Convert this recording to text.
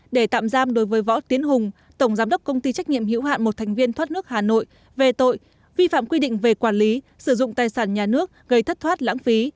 để tạm giam đối với võ tiến hùng tổng giám đốc công ty trách nhiệm hữu hạn một thành viên thoát nước hà nội về tội vi phạm quy định về quản lý sử dụng tài sản nhà nước gây thất thoát lãng phí